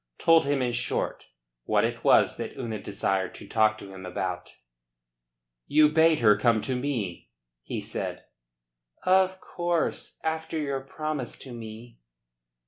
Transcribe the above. Told him, in short, what it was that Una desired to talk to him about. "You bade her come to me?" he said. "Of course. After your promise to me."